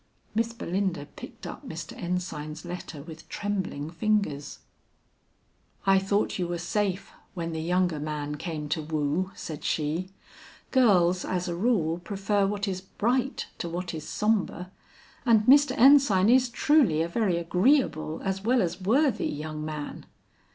Miss Belinda picked up Mr. Ensign's letter with trembling fingers. "I thought you were safe when the younger man came to woo," said she. "Girls, as a rule, prefer what is bright to what is sombre, and Mr. Ensign is truly a very agreeable as well as worthy young man."